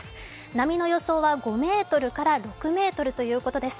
波の予想は５ｍから６ｍということです。